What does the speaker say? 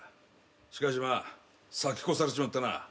しかしまあ先越されちまったな。